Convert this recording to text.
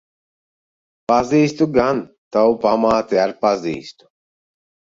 Pazīstu gan. Tavu pamāti ar pazīstu.